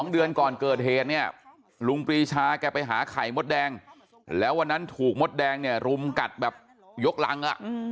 ๒เดือนก่อนเกิดเหตุเนี่ยลุงปรีชาแกไปหาไข่มดแดงแล้ววันนั้นถูกมดแดงเนี่ยรุมกัดแบบยกรัง